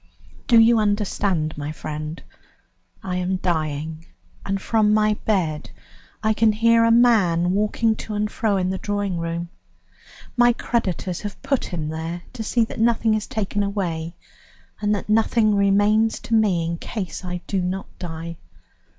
"Do you understand, my friend? I am dying, and from my bed I can hear a man walking to and fro in the drawing room; my creditors have put him there to see that nothing is taken away, and that nothing remains to me in case I do not die.